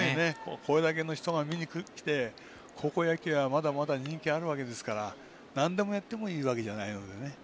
これだけの人が見に来て高校野球はまだまだ人気あるわけですからなんでもやってもいいわけじゃないのでね。